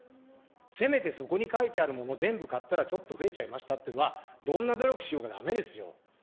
せめてそこに書いてあるもの全部買ったらちょっと増えちゃいましたっていうのは、どんな努力しようがだめですよ。